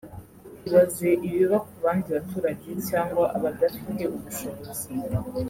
ibaze ibiba ku bandi baturage cyangwa abadafite ubushobozi